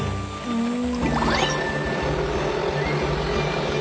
うん。